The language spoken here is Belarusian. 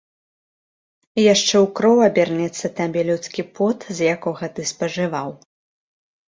Яшчэ ў кроў абернецца табе людскі пот, з якога ты спажываў!